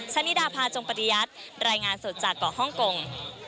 ฉันนี้ดาพาจงปฏิยัติรายงานสดจากก่อฮ่องกง